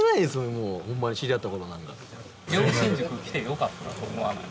もうほんまに知り合った頃なんか良心塾来てよかったと思わない？